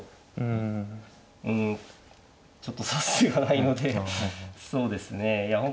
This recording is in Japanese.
うんちょっと指す手がないのでそうですねいや本譜